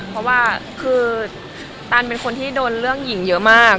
เพราะว่าคือตันเป็นคนที่โดนเรื่องหญิงเยอะมาก